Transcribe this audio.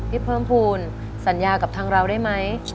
พี่เพิ่มภูมิสัญญากับทางเราได้ไหม